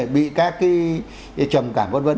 bị các cái trầm cảm vân vân